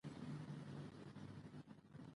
افغانستان د خاوره په برخه کې نړیوال شهرت لري.